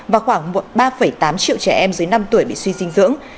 và khoảng ba tám triệu trẻ em dưới năm tuổi bị suy dinh dưỡng